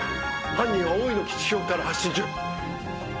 犯人は大井の基地局から発信中。